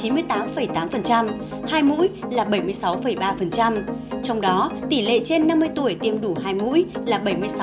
hai mũi là bảy mươi sáu ba trong đó tỷ lệ trên năm mươi tuổi tiêm đủ hai mũi là bảy mươi sáu một mươi một